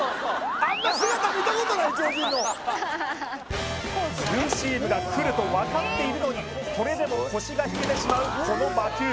超人のツーシームが来ると分かっているのにそれでも腰が引けてしまうこの魔球